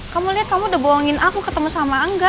kamu lihat kamu udah bohongin aku ketemu sama angga